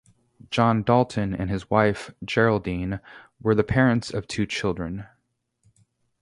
John Dalton and his wife Geraldine were the parents of two children.